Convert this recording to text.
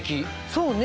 そうね。